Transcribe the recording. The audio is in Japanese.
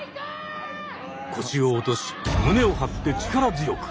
腰を落とし胸を張って力強く。